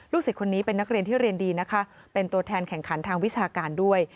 ศิษย์คนนี้เป็นนักเรียนที่เรียนดีนะคะเป็นตัวแทนแข่งขันทางวิชาการด้วย